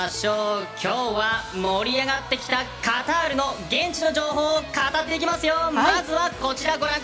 今日は盛り上がってきたカタールの現地の情報を語っていきますよ。